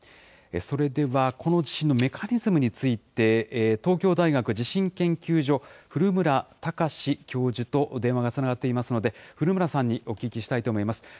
それではこの地震のメカニズムについて、東京大学地震研究所、古村孝志教授と電話がつながっていますので、古村さんにお聞きしたいと思います。